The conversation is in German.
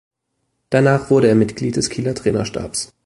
Danach wurde er Mitglied des Kieler Trainerstabs.